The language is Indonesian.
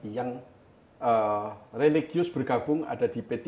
yang religius bergabung ada di p tiga